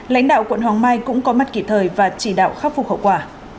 lãnh đạo quận hoàng mai cũng có mặt kỷ thời và chỉ đạo khắc phục hậu quả